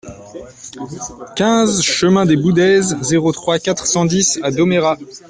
quinze chemin des Boudaises, zéro trois, quatre cent dix à Domérat